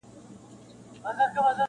• یو مُلا وو یوه ورځ سیند ته لوېدلی -